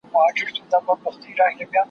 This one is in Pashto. د روغن یوه ښیښه یې کړله ماته